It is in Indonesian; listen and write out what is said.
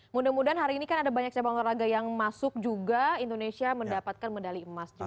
mudah mudahan hari ini kan ada banyak cabang olahraga yang masuk juga indonesia mendapatkan medali emas juga